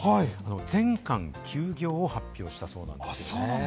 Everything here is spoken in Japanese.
全館休業を発表したそうなんです。